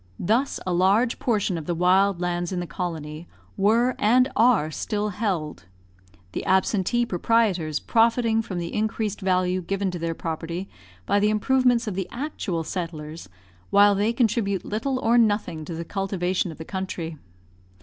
Thus a large portion of the wild lands in the colony were and are still held: the absentee proprietors profiting from the increased value given to their property by the improvements of the actual settlers, while they contribute little or nothing to the cultivation of the country.